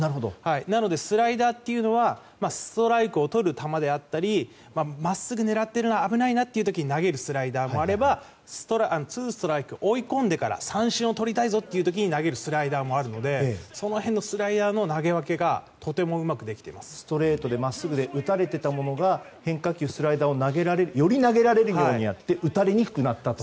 なので、スライダーというのはストライクをとる球であったり真っすぐ狙っているな危ないなという時に投げるスライダーもあればツーストライク、追い込んでから三振をとりたい時のスライダーもあるのでその辺のスライダーの投げ分けがストレートで真っすぐ打たれていたものが変化球がより投げられるようになって打たれにくくなったと。